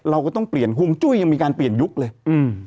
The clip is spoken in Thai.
เราก็ต้องเปลี่ยนฮวงจุ้ยยังมีการเปลี่ยนยุคเลยอืม